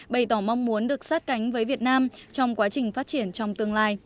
bày tỏ mong muốn được sát cánh với việt nam trong quá trình phát triển trong tương lai